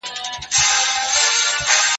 سپيني كوتري په څېر